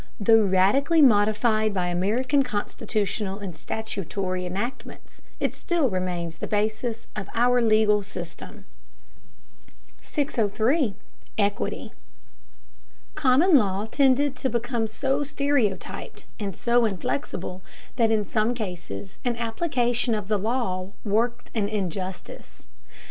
Though radically modified by American constitutional and statutory enactments it still remains the basis of our legal system. 603. EQUITY. Common law tended to become so stereotyped and so inflexible that in some cases an application of the law worked an injustice.